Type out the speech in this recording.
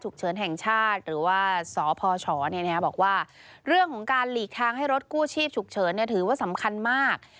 ของการหลีกทางให้รถกู้ชีพฉุกเฉินถือว่าสำคัญมาก